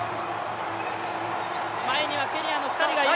前にはケニアの２人がいる。